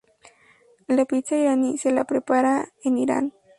La pizza iraní se la prepara en Irán.